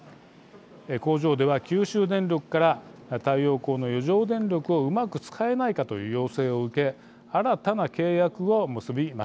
工場では九州電力から太陽光の余剰電力をうまく使えないかという要請を受け新たな契約を結びました。